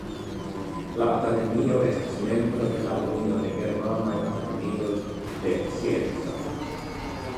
La akademio estas membro de la Unio de Germanaj Akademioj de Scienco.